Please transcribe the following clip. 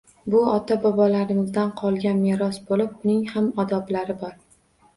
Bu, ota-bobolarimizdan qolgan meros bo‘lib, uning ham odoblari bor.